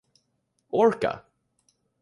Orka!